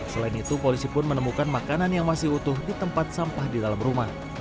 selain itu polisi pun menemukan makanan yang masih utuh di tempat sampah di dalam rumah